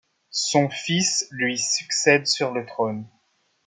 Son fils lui succède sur le trône.